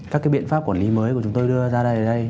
các cái biện pháp quản lý mới của chúng tôi đưa ra đây